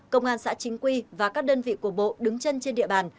công an xã chính quy và các đơn vị của bộ đứng chân trên địa bàn